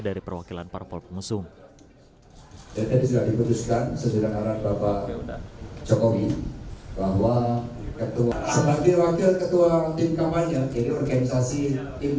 dari perwakilan parpol pengusung